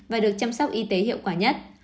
và được chăm sóc y tế hiệu quả nhất